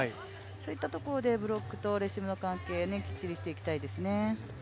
そういったところでブロックとレシーブの関係きっちりしていきたいですね。